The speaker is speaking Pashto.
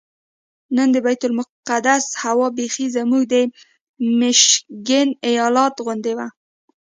نن د بیت المقدس هوا بیخي زموږ د میشیګن ایالت غوندې وه.